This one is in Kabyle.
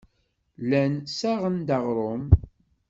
Llan ssaɣen-d aɣrum.